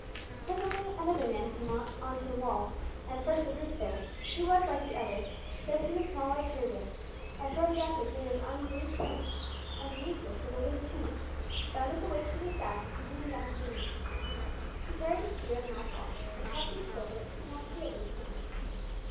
Presently another man came up on to the walls, and approached the group there. He was, like the others, dressed in a small white turban, a short jacket made of unbleached hemp; underneath which was a loose tunic, bound at the waist with a sash, and coming down to the knees. He carried a spear and matchlock, and across his shoulder a small shield was slung.